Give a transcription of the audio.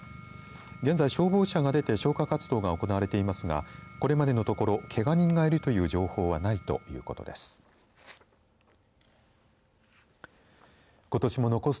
現在、消防車が出て消火活動が行われていますがこれまでのところけが人がいるという情報はないということです。